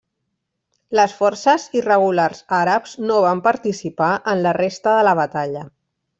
Les forces irregulars àrabs no van participar en la resta de la batalla.